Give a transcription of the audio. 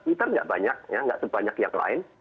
twitter tidak banyak ya tidak sebanyak yang lain